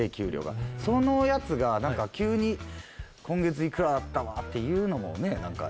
そのやつが何か急に今月幾らだったわって言うのもね何か。